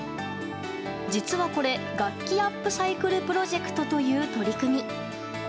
実はこれ、楽器アップサイクルプロジェクトという取り組み。